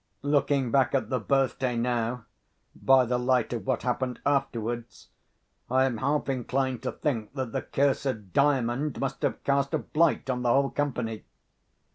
Looking back at the birthday now, by the light of what happened afterwards, I am half inclined to think that the cursed Diamond must have cast a blight on the whole company.